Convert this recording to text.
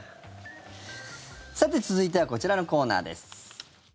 さて、続いてはこちらのコーナーです。